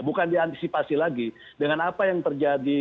bukan diantisipasi lagi dengan apa yang terjadi